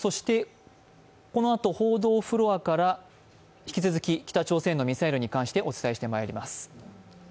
このあと報道フロアから引き続き北朝鮮のミサイルに関してお伝えしてまいります。